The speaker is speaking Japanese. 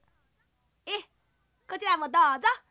ええこちらもどうぞ。